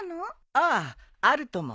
あああるとも。